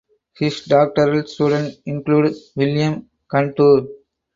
His doctoral students include William Kantor.